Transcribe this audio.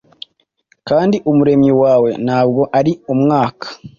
Kandi Umuremyi wawe ntabwo ari umwaka.